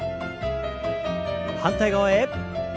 反対側へ。